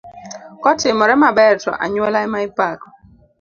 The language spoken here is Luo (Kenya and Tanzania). Kotimore maber to anyuola ema ipako.